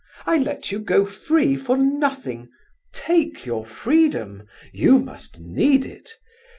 I let you go free for nothing—take your freedom! You must need it.